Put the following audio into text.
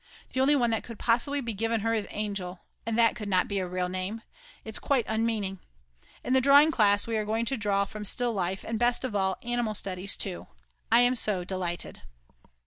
The only one that could possibly be given to her is Angel, and that could not be a real name, it's quite unmeaning. In the drawing class we are going to draw from still life, and, best of all, animal studies too, I am so delighted.